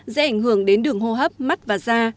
dễ ảnh hưởng đến đường hô hấp mắt và da